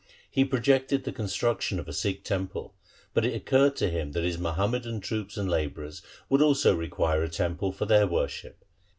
He projected the construction of a Sikh temple, but it occurred to him that his Muhammadan troops and labourers would also require a temple for their worship.